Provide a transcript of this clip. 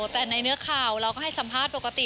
แต่ในเนื้อข่าวเราก็ให้สัมภาษณ์ปกติ